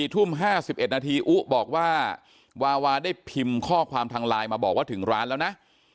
ทุ่ม๕๑นาทีอุ๊บอกว่าวาวาได้พิมพ์ข้อความทางไลน์มาบอกว่าถึงร้านแล้วนะ